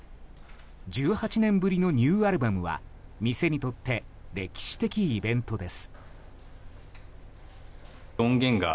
１８年ぶりのニューアルバムは店にとって歴史的イベントです。